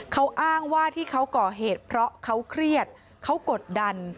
เขาอ้างว่าที่เขาก่อเหตุเพราะเขาเครียดเขากดดัน